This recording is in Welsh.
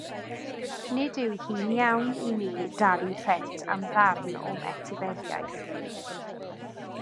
Nid yw hi'n iawn i mi dalu rhent am ddarn o'm etifeddiaeth.